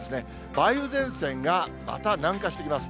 梅雨前線がまた南下してきます。